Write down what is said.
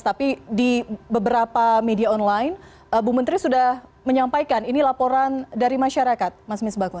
tapi di beberapa media online bu menteri sudah menyampaikan ini laporan dari masyarakat mas misbakun